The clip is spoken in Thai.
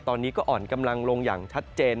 ตอนนี้ก็อ่อนกำลังลงอย่างชัดเจน